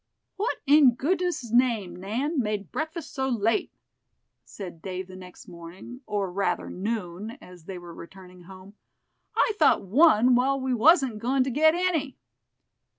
"What in goodness' name, Nan, made breakfast so late?" said Dave the next morning, or rather noon, as they were returning home; "I thought one while we wasn't goin' to get any."